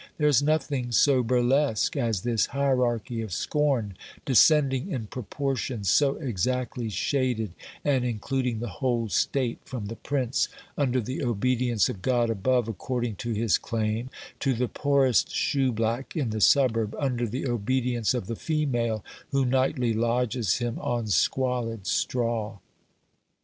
There is nothing so burlesque as this hierarchy of scorn, descending in proportions so exactly shaded, and including the whole state, from the prince under the obedience of God above, according to his claim, to the poorest shoeblack in the suburb under the OBERMANN 159 obedience of the female who nightly lodges him on squalid straw.